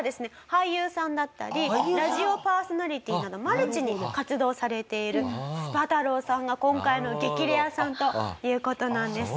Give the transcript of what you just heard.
俳優さんだったりラジオパーソナリティーなどマルチに活動されているスパ太郎さんが今回の激レアさんという事なんです。